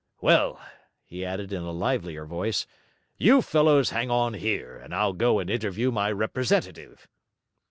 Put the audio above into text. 'Well,' he added in a livelier voice, 'you fellows hang on here, and I'll go and interview my representative.'